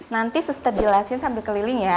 nanti suster jelasin sambil keliling ya